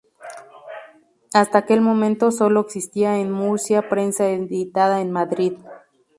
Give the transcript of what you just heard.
Hasta aquel momento sólo existía en Murcia prensa editada en Madrid.